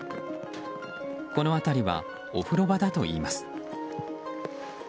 この辺りはお風呂場だといいます。